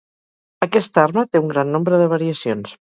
Aquesta arma té un gran nombre de variacions.